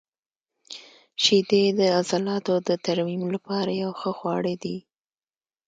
• شیدې د عضلاتو د ترمیم لپاره یو ښه خواړه دي.